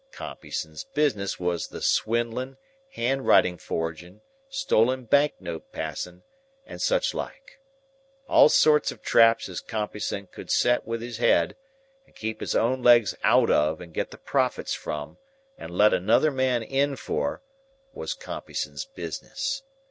Compeyson's business was the swindling, handwriting forging, stolen bank note passing, and such like. All sorts of traps as Compeyson could set with his head, and keep his own legs out of and get the profits from and let another man in for, was Compeyson's business.